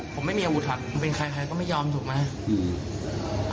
ผมไม่มีอาวุธครับผมเป็นใครใครก็ไม่ยอมถูกไหมอืม